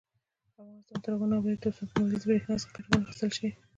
افغانستان تر هغو نه ابادیږي، ترڅو د لمریزې بریښنا څخه ګټه وانخیستل شي.